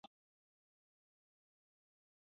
مذهبي زغم د ټولنې ثبات ته وده ورکوي.